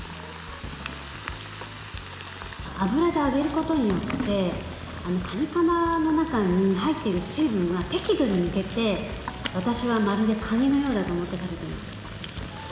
油で揚げることによってかにかまの中に入っている水分が適度に抜けて私は、まるでかにのようだと思って食べています。